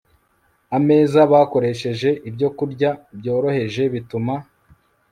ameza bakoresheje ibyokurya byoroheje bituma